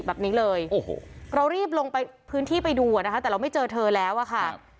แบบนี้เลยโอ้โหเรารีบลงไปพื้นที่ไปดูอ่ะนะคะแต่เราไม่เจอเธอแล้วอะค่ะ